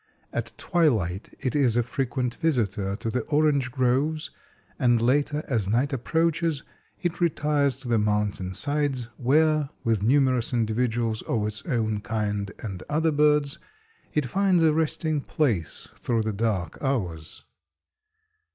At twilight it is a frequent visitor to the orange groves, and later, as night approaches, it retires to the mountain sides, where, with numerous individuals of its own kind and other birds, it finds a resting place through the dark hours.